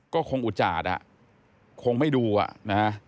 ก็คงอุจาดอ่ะคงไม่ดูอ่ะนะฮะ